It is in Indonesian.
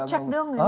cek dong ini apa